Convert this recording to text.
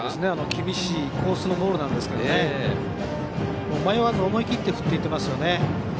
厳しいコースのボールですけど迷わず思い切って振っていっています。